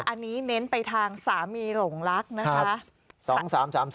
อันนี้เน้นไปทางสามีหลงรักนะคะ